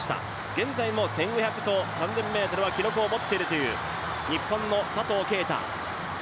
現在も１５００と３０００ｍは、記録を持っているという日本の佐藤圭汰。